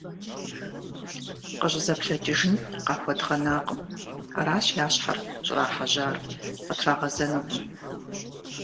КъыщӀызэплъэкӀыжын къахуэдгъэнакъым, аращ я щхьэр щӀрахьэжьар – къытрагъэзэнукъым.